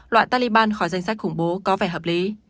loại taliban khỏi danh sách khủng bố có vẻ hợp lý